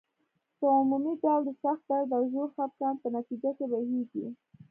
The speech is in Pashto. په عمومي ډول د سخت درد او ژور خپګان په نتیجه کې بهیږي.